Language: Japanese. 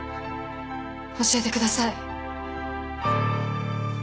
教えてください。